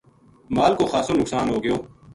مال کو خاصو نقصان ہوگیو